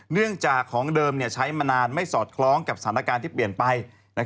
เนื่องจากของเดิมใช้มานานไม่สอดคล้องกับสถานการณ์ที่เปลี่ยนไป